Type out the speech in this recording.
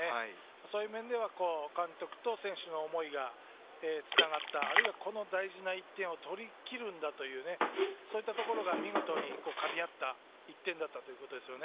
そういう面では監督と選手の思いがつながった、あるいはこの大事な１点を取りきるんだというところが見事にかみ合った１点でしたね。